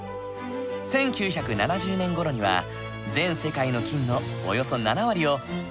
１９７０年ごろには全世界の金のおよそ７割を南アフリカで生産していた。